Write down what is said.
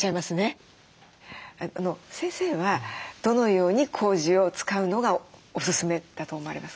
先生はどのようにこうじを使うのがおすすめだと思われますか？